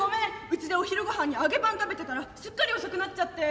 うちでお昼ごはんに揚げパン食べてたらすっかり遅くなっちゃって」。